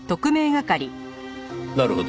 なるほど。